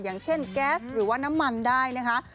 อย่างเช่นแก๊สหรือว่าน้ำมันได้นะคะ